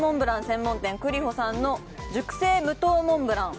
専門店栗歩さんの熟成無糖モンブラン